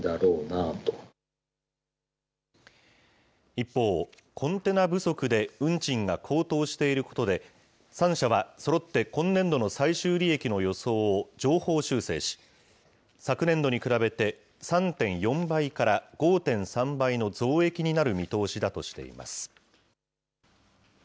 一方、コンテナ不足で運賃が高騰していることで、３社はそろって今年度の最終利益の予想を上方修正し、昨年度に比べて３．４倍から５．３倍の増益になる見通しだとしています。